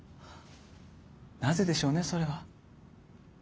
なぜでしょうねそれは。